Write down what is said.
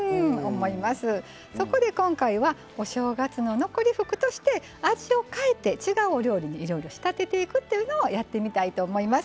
そこで今回は「お正月の残り福」として味を変えて違うお料理にいろいろ仕立てていくというのをやってみたいと思います。